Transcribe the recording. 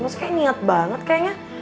maksudnya kayaknya niat banget kayaknya